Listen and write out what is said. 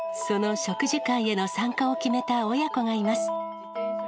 その植樹会への参加を決めた親子がいます。